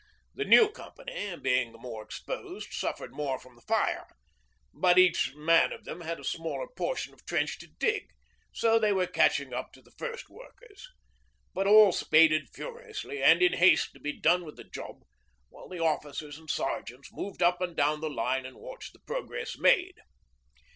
The new company, being the more exposed, suffered more from the fire; but each man of them had a smaller portion of trench to dig, so they were catching up on the first workers. But all spaded furiously and in haste to be done with the job, while the officers and sergeants moved up and down the line and watched the progress made.